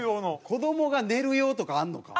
子どもが寝る用とかあんのか。